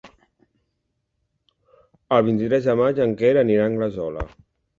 El vint-i-tres de maig en Quer anirà a Anglesola.